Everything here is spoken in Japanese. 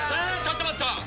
ちょっと待った！